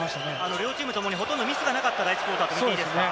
両チームとも、ほとんどミスがなかった第１クオーターですね。